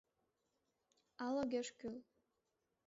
Ал огеш кӱл